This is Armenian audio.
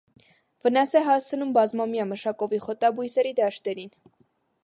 Վնաս է հասցնում բազմամյա մշակովի խոտաբույսերի դաշտերին։